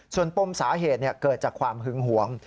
ส่วนปมสาเหตุเกิดจากความหึงหวง